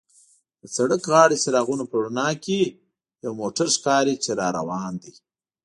د سړک غاړې څراغونو په رڼا کې یو موټر ښکاري چې را روان دی.